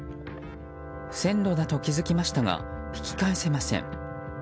線路だと気づきましたが引き返せません。